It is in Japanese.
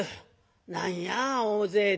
何や大勢で」。